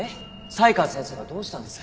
才川先生がどうしたんです？